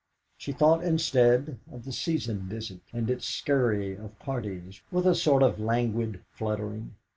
She thought instead of the season visit, and its scurry of parties, with a sort of languid fluttering.